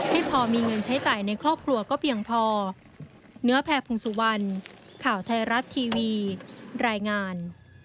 ไม่พอมีเงินใช้จ่ายในครอบครัวก็เพียงพอ